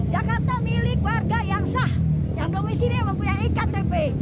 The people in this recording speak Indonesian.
jakarta milik warga yang sah yang domisi ini mempunyai iktp